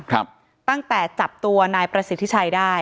ครับตั้งแต่จับตัวนายประสิทธิชัยได้